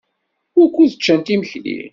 Wukud ččant imekli?